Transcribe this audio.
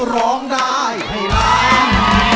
ร้องได้ให้ล้าน